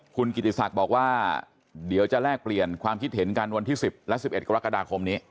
คุณกิติศักดิ์บอกว่าเดี๋ยวจะแลกเปลี่ยนความคิดเห็นกันวันที่๑๐และ๑๑กรกฎาคมนี้